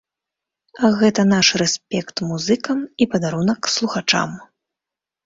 Гэта наш рэспект музыкам і падарунак слухачам!